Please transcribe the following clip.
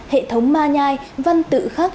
hệ thống ma nhai văn tự khắc